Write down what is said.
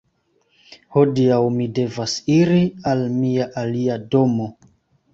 Hodiaŭ mi devas iri al mia alia domo.